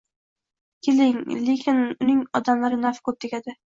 lekin uning odamlarga nafi ko‘p tegadi.